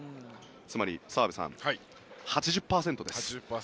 つまり澤部さん、８０％です。